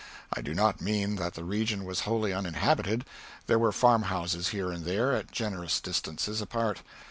I do not mean that the region was wholly uninhabited; there were farmhouses here and there, at generous distances apart.